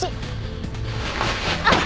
あっ！